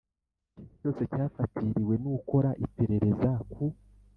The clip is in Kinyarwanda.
Ikintu cyose cyafatiriwe n ukora iperereza ku